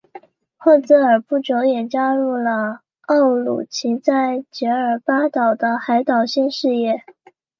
赫兹尔不久也加入了奥鲁奇在杰尔巴岛的海盗新事业。